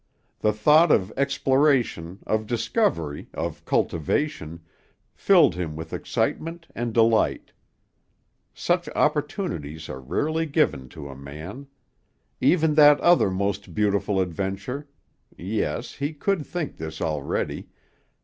The thought of exploration, of discovery, of cultivation, filled him with excitement and delight. Such opportunities are rarely given to a man. Even that other most beautiful adventure yes, he could think this already!